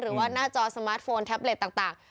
หรือว่าหน้าจอสมาร์ทโฟนแท็บเล็ตต่าง